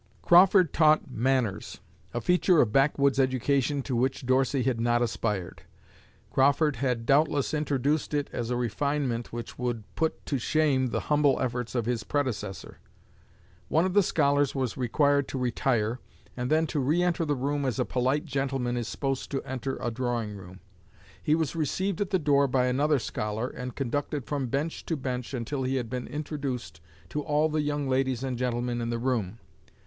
Crawford taught "manners" a feature of backwoods education to which Dorsey had not aspired. Crawford had doubtless introduced it as a refinement which would put to shame the humble efforts of his predecessor. One of the scholars was required to retire, and then to re enter the room as a polite gentleman is supposed to enter a drawing room. He was received at the door by another scholar and conducted from bench to bench until he had been introduced to all the young ladies and gentlemen in the room.